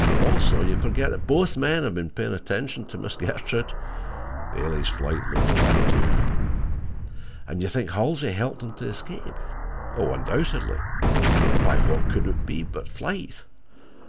Also, you forget that both men have been paying attention to Miss Gertrude. Bailey's flight looks bad, too." "And you think Halsey helped him to escape?" "Undoubtedly. Why, what could it be but flight?